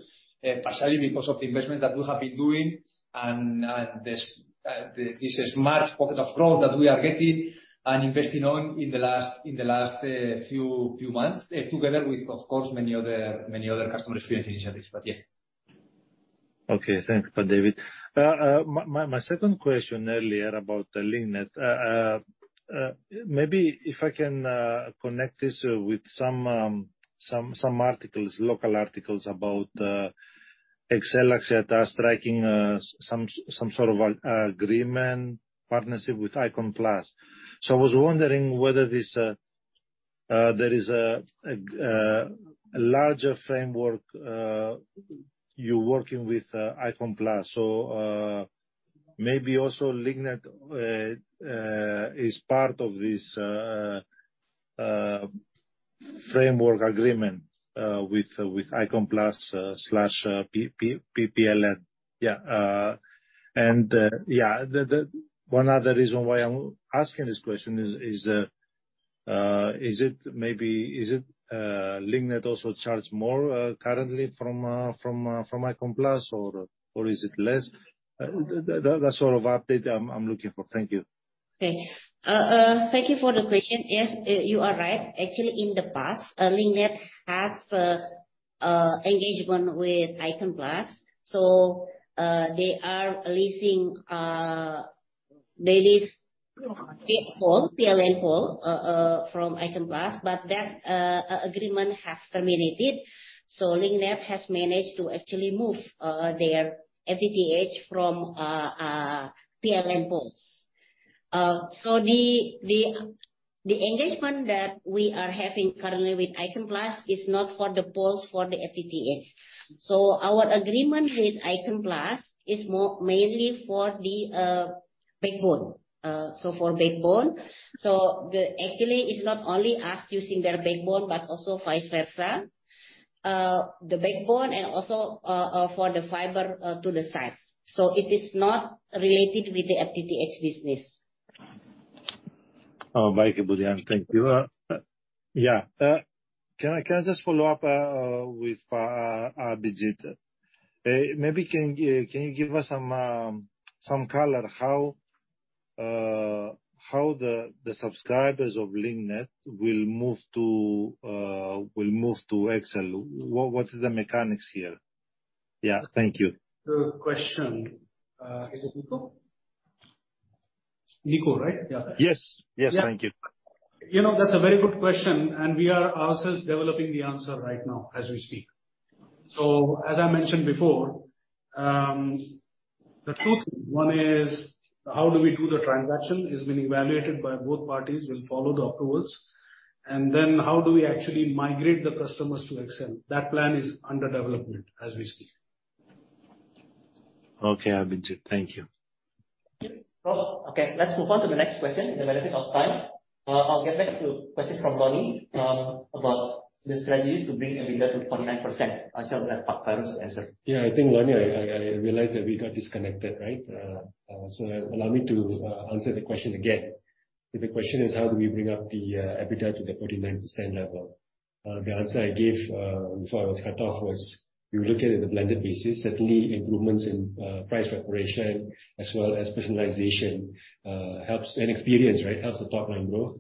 partially because of the investments that we have been doing and this smart pocket of growth that we are getting and investing on in the last few months together with of course many other customer experience initiatives. Yeah. Okay. Thanks, David. My second question earlier about the Link Net. maybe if I can connect this with some articles, local articles about XL Axiata striking some sort of agreement partnership with Icon Plus. I was wondering whether there is a larger framework you working with Icon Plus or maybe also Link Net is part of this framework agreement with Icon Plus slash PLN. The one other reason why I'm asking this question is it maybe, is it Link Net also charge more currently from Icon Plus or is it less? That sort of update I'm looking for. Thank you. Okay. Thank you for the question. Yes, you are right. Actually, in the past, Linknet has engagement with PLN Icon Plus. They are leasing, they lease pole, PLN pole, from PLN Icon Plus. That agreement has terminated. Linknet has managed to actually move their FTTH from PLN poles. The engagement that we are having currently with PLN Icon Plus is not for the poles for the FTTH. Our agreement with PLN Icon Plus is more mainly for the backbone. For backbone. Actually, it's not only us using their backbone, but also vice versa. The backbone and also for the fiber to the sites. It is not related with the FTTH business. Oh, thank you, Budi. Thank you. Yeah. Can I just follow up with Abhijit? Maybe can you give us some color how the subscribers of Link Net will move to XL? What is the mechanics here? Yeah, thank you. Good question. Is it Nico? Nico, right? Yeah. Yes. Yes, thank you. You know, that's a very good question. We are ourselves developing the answer right now as we speak. As I mentioned before, the truth, one is how do we do the transaction, is being evaluated by both parties. We'll follow the afterwards. Then how do we actually migrate the customers to XL? That plan is under development as we speak. Okay, Abhijit. Thank you. Let's move on to the next question in the benefit of time. I'll get back to question from Lonnie about the strategy to bring EBITDA to 49%. I'll let Fahrus to answer. Yeah. I think, Lonnie, I realized that we got disconnected, right? Allow me to answer the question again. If the question is how do we bring up the EBITDA to the 49% level? The answer I gave before I was cut off was we look at it in a blended basis. Certainly improvements in price preparation as well as personalization helps. Experience, right? Helps the top line growth.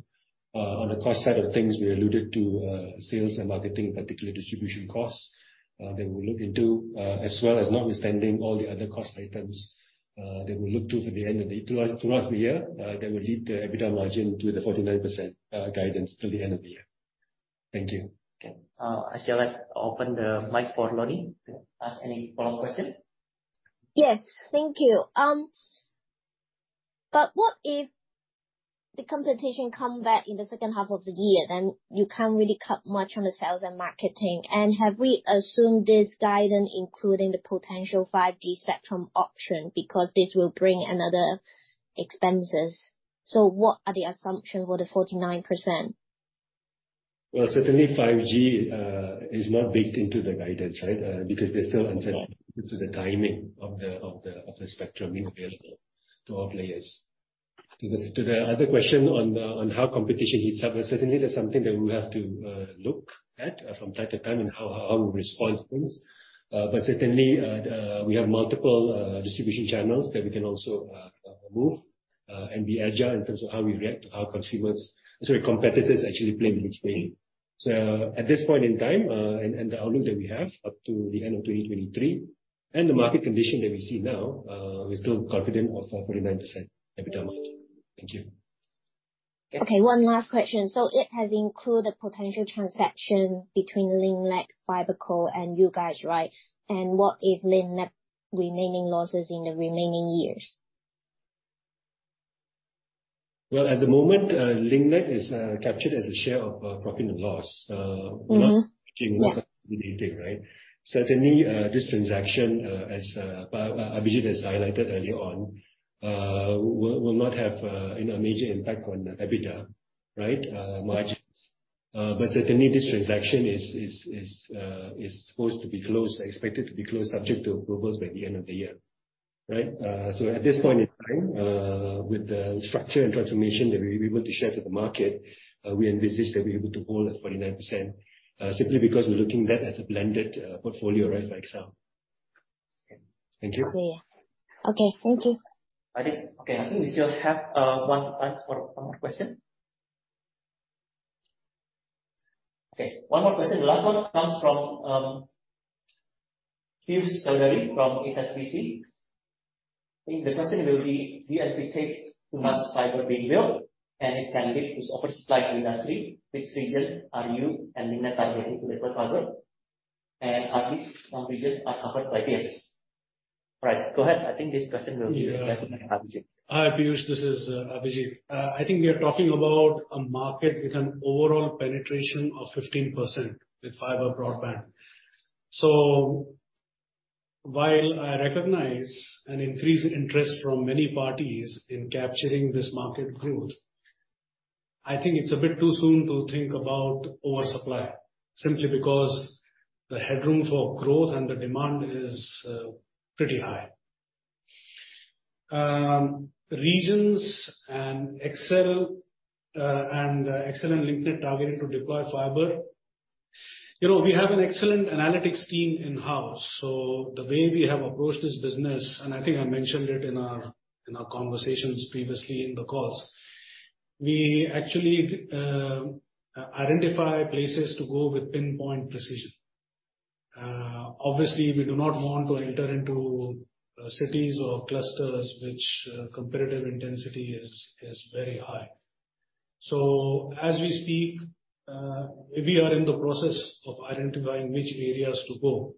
On the cost side of things, we alluded to sales and marketing, particularly distribution costs, that we'll look into, as well as notwithstanding all the other cost items, that we'll look to for the end of the year. Throughout the year, that will lead the EBITDA margin to the 49% guidance till the end of the year. Thank you. Okay. I shall open the mic for anny to ask any follow-up question. Yes. Thank you. What if the competition come back in the second half of the year, then you can't really cut much on the sales and marketing? Have we assumed this guidance including the potential 5G spectrum auction? Because this will bring another expenses. What are the assumption for the 49%? Well, certainly 5G is not baked into the guidance, right? Because they're still uncertain to the timing of the spectrum being available to all players. To the other question on how competition heats up. Certainly that's something that we have to look at from time to time and how we respond to things. Certainly, we have multiple distribution channels that we can also move and be agile in terms of how we react to how competitors actually play in each way. At this point in time, and the outlook that we have up to the end of 2023 and the market condition that we see now, we're still confident of a 49% EBITDA margin. Thank you. Okay, one last question. It has included potential transaction between Linknet, FiberCore and you guys, right? What if Linknet remaining losses in the remaining years? Well, at the moment, Linknet is captured as a share of profit and loss. Mm-hmm. Yeah. Certainly, this transaction, as Abhijit has highlighted early on, will not have a major impact on the EBITDA, right? Margins. Certainly this transaction is supposed to be closed, expected to be closed subject to approvals by the end of the year, right? At this point in time, with the structure and transformation that we're able to share to the market, we envisage that we're able to hold at 49%, simply because we're looking that as a blended portfolio, right, for XL. Thank you. Okay. Thank you. I think we still have one time for one more question. The last one comes from Piyush Chaudhary from HSBC. I think the question will be, with EBITDA too much fiber being built and it can lead to oversupply to industry, which region are you and Link Net targeting to deploy fiber? Are these same region are covered by peers? Right. Go ahead. I think this question will be best for Abhijit. Hi, Piyush. This is Abhijit. I think we are talking about a market with an overall penetration of 15% with fiber broadband. While I recognize an increased interest from many parties in capturing this market growth, I think it's a bit too soon to think about oversupply, simply because the headroom for growth and the demand is pretty high. Regions and XL, and XL and Link Net targeted to deploy fiber. You know, we have an excellent analytics team in-house. The way we have approached this business, and I think I mentioned it in our, in our conversations previously in the calls. We actually identify places to go with pinpoint precision. Obviously, we do not want to enter into cities or clusters which competitive intensity is very high. As we speak, we are in the process of identifying which areas to go.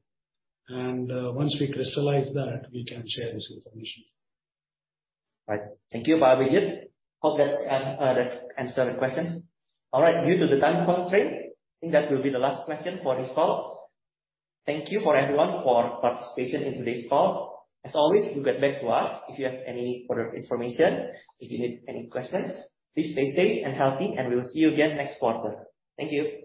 Once we crystallize that, we can share this information. Right. Thank you, Abhijit. Hope that answers the question. All right. Due to the time constraint, I think that will be the last question for this call. Thank you for everyone for participation in today's call. As always, do get back to us if you have any further information, if you need any questions. Please stay safe and healthy. We will see you again next quarter. Thank you.